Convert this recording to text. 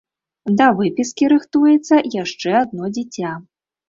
Да выпіскі рыхтуецца яшчэ адно дзіця.